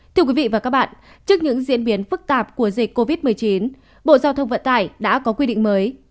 thưa quý vị và các bạn trước những diễn biến phức tạp của dịch covid một mươi chín bộ giao thông vận tải đã có quy định mới